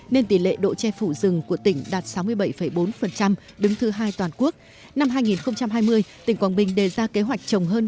nên tỷ lệ độ che phủ rừng của tỉnh đạt sáu mươi bảy bốn đứng thứ hai toàn quốc